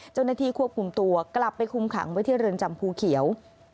เจ้าหน้าที่ควบคุมตัวกลับไปคุมขังไว้ที่เรือนจำภูเขียว